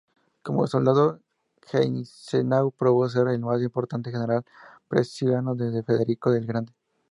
Como soldado, Gneisenau probó ser el más importante general prusiano desde Federico el Grande.